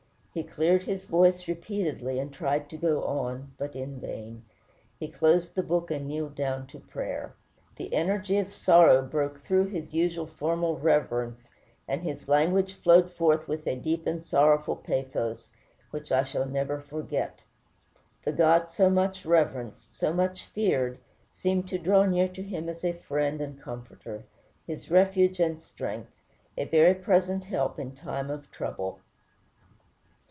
He cleared his voice repeatedly, and tried to go on, but in vain. He closed the book, and kneeled down to prayer. The energy of sorrow broke through his usual formal reverence, and his language flowed forth with a deep and sorrowful pathos which I shall never forget. The God so much reverenced, so much feared, seemed to draw near to him as a friend and comforter, his refuge and strength, "a very present help in time of trouble."